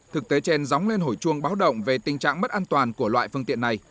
thực tế trên dóng lên hổi chuông báo động về tình trạng mất an toàn của loại phương tiện này